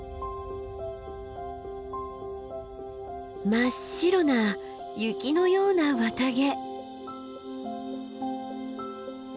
真っ白な雪のような綿毛。